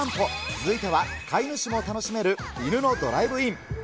続いては飼い主も楽しめる犬のドライブイン。